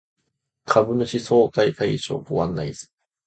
株主総会会場ご案内図